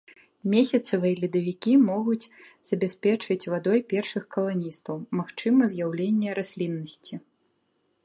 Месяцавыя ледавікі могуць забяспечыць вадой першых каланістаў, магчыма з'яўленне расліннасці.